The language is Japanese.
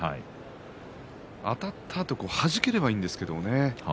あたったあとはじければいいんですけどね。